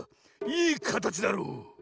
いいかたちだろう。